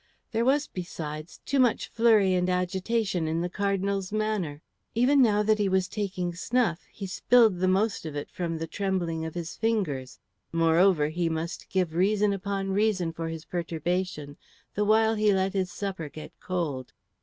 There was, besides, too much flurry and agitation in the Cardinal's manner. Even now that he was taking snuff, he spilled the most of it from the trembling of his fingers. Moreover, he must give reason upon reason for his perturbation the while he let his supper get cold.